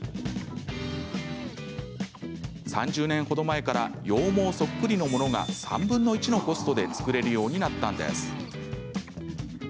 ３０年ほど前から羊毛そっくりのものが３分の１のコストで作れるようになったんです。